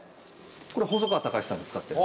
これ細川たかしさんに使ってる。